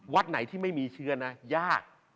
วัดไหนที่ไม่มีเชื้อนะยาก